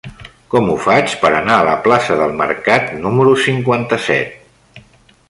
Com ho faig per anar a la plaça del Mercat número cinquanta-set?